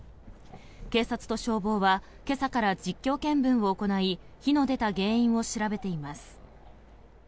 警察と消防は今朝から実況見分を行い火の出た原因を調べています。